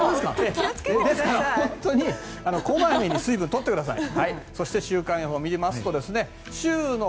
ですから本当にこまめに水分を取ってください。